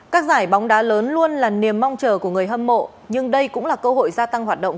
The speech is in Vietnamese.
các giải bóng đá lớn luôn là niềm mong chờ của người hâm mộ nhưng đây cũng là cơ hội gia tăng hoạt động